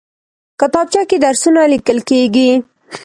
کتابچه کې درسونه لیکل کېږي